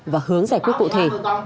họ hướng giải quyết cụ thể